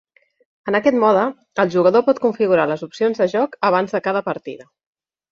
En aquest mode, el jugador pot configurar les opcions de joc abans de cada partida.